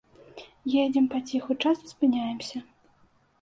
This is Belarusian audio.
Едзем паціху, часта спыняемся.